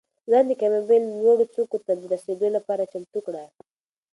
ځان د کامیابۍ لوړو څوکو ته د رسېدو لپاره چمتو کړه.